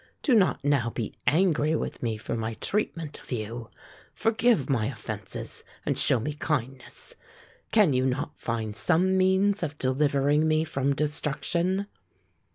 Do not now be angry with me for my treatment of you. Forgive my offenses and show me kindness. Can you not find some means of delivering me from destruction.